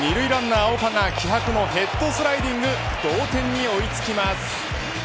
この当たりで２塁ランナーの岡が気迫のヘッドスライディング同点に追いつきます。